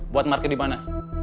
buat market di mana